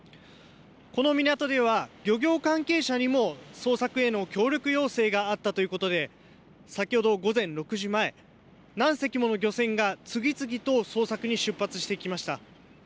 この港では、漁業関係者にも捜索への協力要請があったということで、先ほど午前６時前、何隻もの漁船が次々と捜索に出発していきました。